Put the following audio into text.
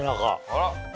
あら！